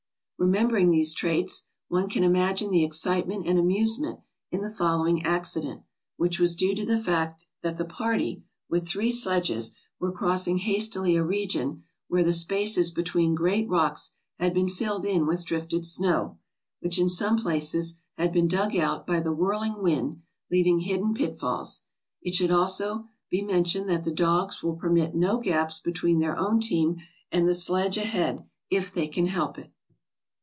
Remembering these traits, one can imagine the excitement and amusement in the following accident, which was due to the fact that the party, with three sledges, were crossing hastily a region where the spaces between great rocks had been filled in with drifted snow, which in some places had been dug out by the whirling wind, leaving hidden pitfalls. It should also be mentioned that the dogs will permit no gaps between their own team and the sledge ahead if they can help it.